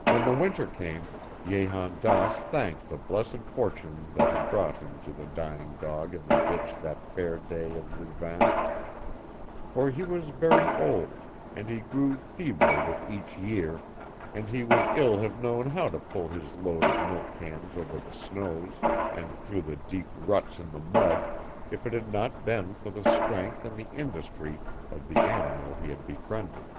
When the winter came, Jehan Daas thanked the blessed fortune that had brought him to the dying dog in the ditch that fair day of Louvain; for he was very old, and he grew feebler with each year, and he would ill have known how to pull his load of milk cans over the snows and through the deep ruts in the mud if it had not been for the strength and the industry of the animal he had befriended.